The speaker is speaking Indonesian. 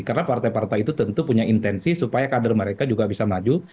karena partai partai itu tentu punya intensi supaya kader mereka juga bisa maju